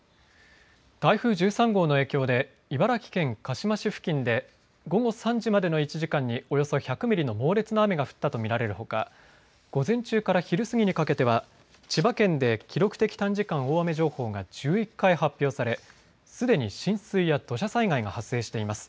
台風１３号の影響で茨城県鹿嶋市付近で午後３時までの１時間におよそ１００ミリの猛烈な雨が降ったと見られるほか午前中から昼過ぎにかけては千葉県で記録的短時間大雨情報が１１回発表されすでに浸水や土砂災害が発生しています。